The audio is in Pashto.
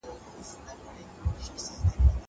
تمرين وکړه!